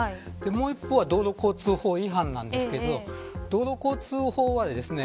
もう一方は道路交通法違反ですが道路交通法はですね